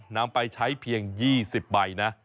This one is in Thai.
นำไปใช้เพียง๒๐ใบนะ